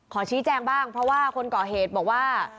ขอชี้แจงบ้างเพราะว่าคนก่อเหตุบอกว่า